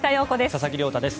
佐々木亮太です。